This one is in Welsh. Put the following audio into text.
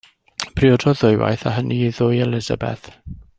Priododd ddwywaith, a hynny i ddwy Elizabeth.